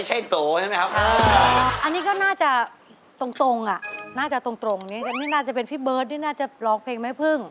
แหละไม่เรียกถาม